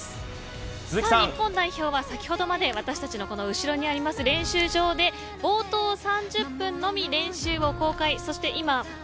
日本代表は、私たちの後ろにある練習場で冒頭３０分のみ練習を公開。